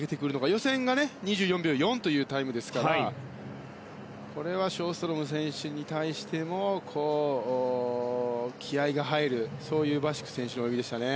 予選が２４秒４というタイムですからこれはショーストロム選手に対しても、気合が入るそういうバシク選手の泳ぎでしたね。